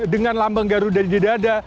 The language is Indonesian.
dengan lambang garuda jadi dada